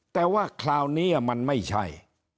แต่ว่าคราวนี้มันไม่ใช่